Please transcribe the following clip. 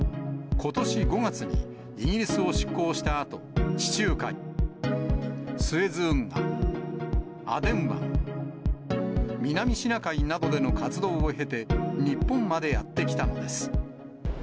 ことし５月にイギリスを出港したあと、地中海、スエズ運河、アデン湾、南シナ海などでの活動を経て、日本までやって来たのです。